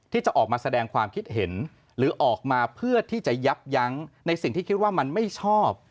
ที่จะออกมาแสดงความคิดเห็นหรือออกมาเพื่อที่จะยับยั้งในสิ่งที่คิดว่ามันไม่ชอบ